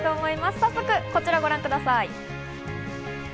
早速こちらをご覧ください。